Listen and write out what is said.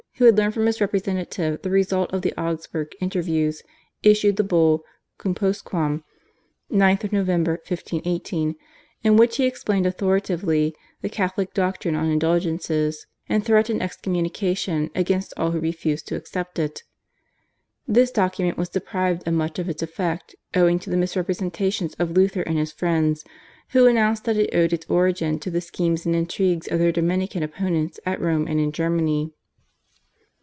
who had learned from his representative the result of the Augsburg interviews, issued the Bull, /Cum postquam/ (9 Nov., 1518), in which he explained authoritatively the Catholic doctrine on Indulgences, and threatened excommunication against all who refused to accept it. This document was deprived of much of its effect owing to the misrepresentations of Luther and his friends, who announced that it owed its origin to the schemes and intrigues of their Dominican opponents at Rome and in Germany.